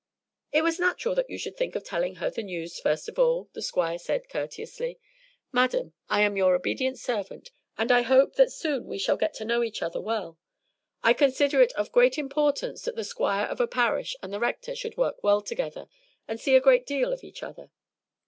"It was natural that you should think of telling her the news first of all," the Squire said courteously. "Madam, I am your obedient servant, and I hope that soon we shall get to know each other well. I consider it of great importance that the Squire of a parish and the Rector should work well together, and see a great deal of each other.